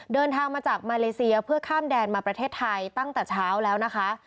เดินทางมาจากมาเลเซียเพื่อข้ามแดนมาประเทศไทยตั้งแต่เช้าแล้วนะคะ